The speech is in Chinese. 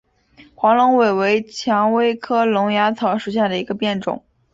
黄龙尾为蔷薇科龙芽草属下的一个变种。